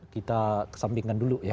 kita kesambingkan dulu ya